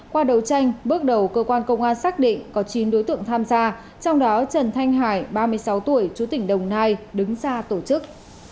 qua đấu tranh bước đầu cơ quan công an xác định có chín đối tượng tham gia trong đó trần thanh hải ba mươi sáu tuổi chú tỉnh đồng nai đứng ra tổ chức